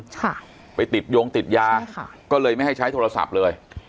ค่ะไปติดโยงติดยาค่ะก็เลยไม่ให้ใช้โทรศัพท์เลย